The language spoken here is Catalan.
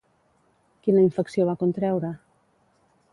Quina infecció va contreure?